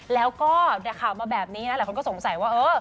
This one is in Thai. แล้วก็ข่าวมาแบบนี้นะหลายคนก็สงสัยว่าเออ